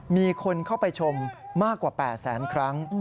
มีคนเข้าไปชมมากกว่า๘แสนครั้ง